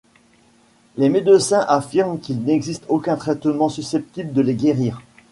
Les médecins affirment qu'il n'existe aucun traitement susceptible de les guérir.